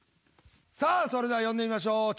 さあそれでは呼んでみましょう。